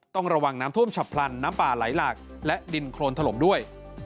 ต้องระวังน้ำท่วมฉับพลันน้ำป่าไหลหลากและดินโครนถล่มด้วย